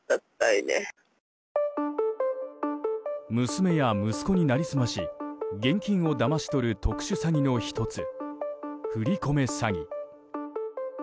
娘や息子に成り済まし現金をだまし取る特殊詐欺の１つ、振り込め詐欺。